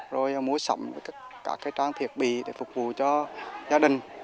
rồi mua sắm các trang thiết bị để phục vụ cho gia đình